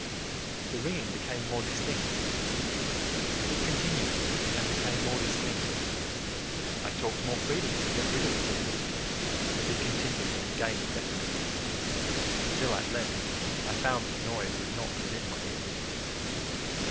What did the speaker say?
The ringing became more distinct:—it continued and became more distinct: I talked more freely to get rid of the feeling: but it continued and gained definiteness—until, at length, I found that the noise was not within my ears.